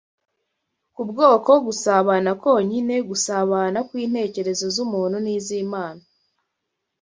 Kubw’uko gusabana konyine gusabana kw’intekerezo z’umuntu n’iz’Imana